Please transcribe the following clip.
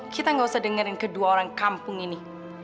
kita gak usah dengerin kedua orang kampung ini